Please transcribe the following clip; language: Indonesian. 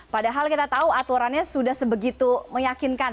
padahal kita tahu aturannya sudah sebegitu meyakinkan